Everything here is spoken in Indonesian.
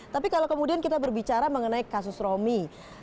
tapi kalau kemudian kita berbicara mengenai kasus romi